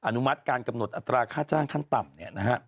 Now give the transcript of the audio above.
อนุมัติการกำหนดอัตราค่าจ้างขั้นต่ำเนี่ยนะฮะ